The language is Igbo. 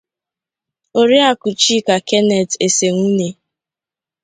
Oriakụ Chika Kenneth Esenwune